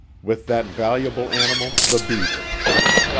with that valuable animal the Beaver.